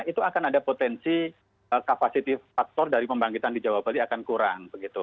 itu akan ada potensi kapasitive faktor dari pembangkitan di jawa bali akan kurang